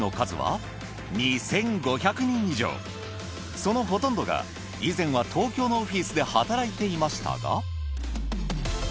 そのほとんどが東京のオフィスで働いていましたが。